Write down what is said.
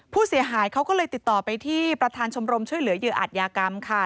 ผู้เสียหายเขาก็เลยติดต่อไปที่ประธานชมรมช่วยเหลือเหยื่ออาจยากรรมค่ะ